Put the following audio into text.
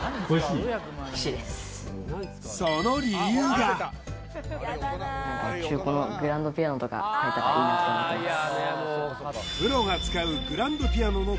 その理由が中古のグランドピアノとか買えたらいいなと思ってます